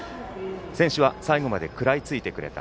選手は最後まで食らいついてくれた。